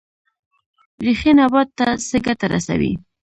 ریښې نبات ته څه ګټه رسوي؟